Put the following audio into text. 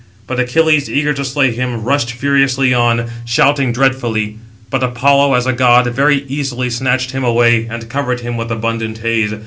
But Achilles, eager to slay him, rushed furiously on, shouting dreadfully; but Apollo, as a god, very easily snatched him away, and covered him with abundant haze.